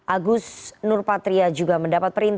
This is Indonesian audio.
agus nurpatria juga mendapat perintah